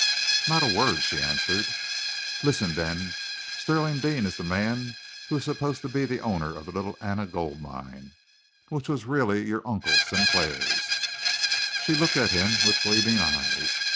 "Not a word," she answered. "Listen, then. Stirling Deane is the man who is supposed to be the owner of the Little Anna Gold Mine, which was really your Uncle Sinclair's." She looked at him with gleaming eyes.